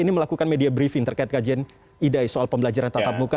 ini melakukan media briefing terkait kajian idai soal pembelajaran tatap muka